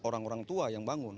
orang orang tua yang bangun